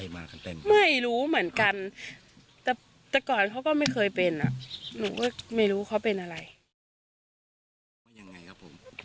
ไม่รู้เหมือนกันแต่ก่อนเขาก็ไม่เคยเป็นหนูก็ไม่รู้เขาเป็นอะไร